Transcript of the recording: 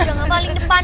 jangan baling depan